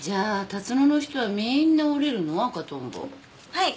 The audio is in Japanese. はい。